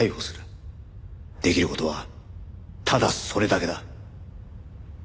できる事はただそれだけだ。